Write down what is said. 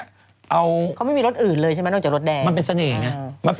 เขาไม่มีรถอื่นเลยใช่ไหมนอกจากรถแดงมันเป็นเสน่ห์ไง